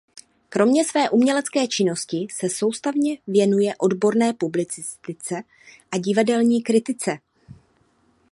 Kromě své umělecké činnosti se soustavně věnuje odborné publicistice a divadelní kritice.